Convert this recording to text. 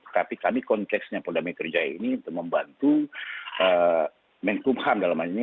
tapi kami konteksnya poda mekerja ini membantu menkumpah dalam hal ini